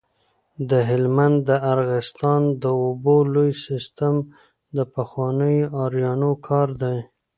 د هلمند د ارغستان د اوبو لوی سیستم د پخوانیو آرینو کار دی